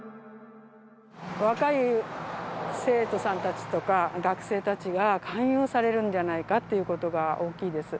若い生徒さんたちとか学生たちが勧誘されるんじゃないかっていうことが大きいです。